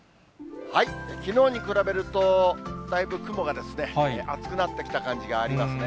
きのうに比べるとだいぶ雲が厚くなってきた感じがありますね。